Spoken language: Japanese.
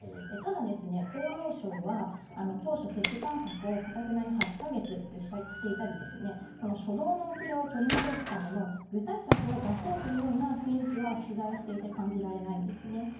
ただ、厚労省は当初、接種間隔を頑なに８か月としていたり初動の遅れを取り戻すための具体策を出そうというような雰囲気は取材をしていて感じられないんですね。